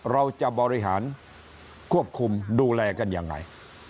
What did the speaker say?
เราจะบริหารควบคุมดูแลกันยังไง